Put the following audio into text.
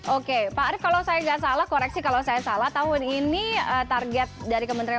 oke pak arief kalau saya nggak salah koreksi kalau saya salah tahun ini target dari kementerian